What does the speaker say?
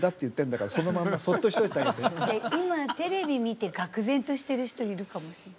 今テレビ見てがく然としている人いるかもしれない。